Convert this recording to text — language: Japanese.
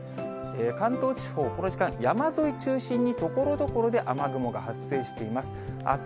関東地方、この時間、山沿い中心に、ところどころで雨雲が発生しています。